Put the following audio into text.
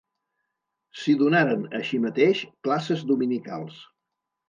S'hi donaren, així mateix, classes dominicals.